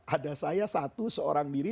ada saya satu seorang diri